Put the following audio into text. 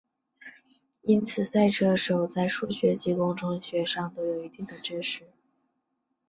因此赛车手在数学及工程学上都有一定的知识。